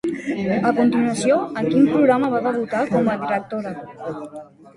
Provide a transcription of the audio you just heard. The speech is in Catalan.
A continuació, amb quin programa va debutar com a directora?